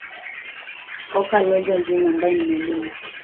oka lola jim ambaye ni mwalimu